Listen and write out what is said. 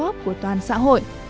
đồng hợp của toàn xã hội